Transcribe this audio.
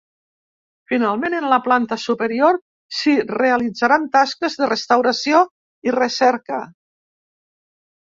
Finalment, en la planta superior s’hi realitzaran tasques de restauració i recerca.